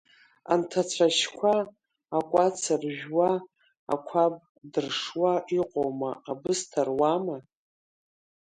Анҭ ацәашьқәа акәац ржәуа, ақәаб дыршуа иҟоума, абысҭа руама!